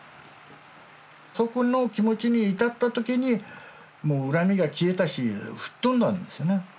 そこの気持ちに至った時にもう恨みが消えたし吹っ飛んだんですよね。